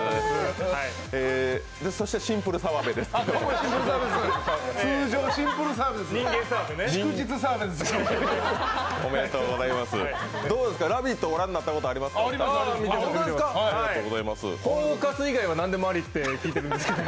そしてシンプル澤部です。